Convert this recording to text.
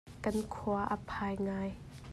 Kan khua a phai ngai.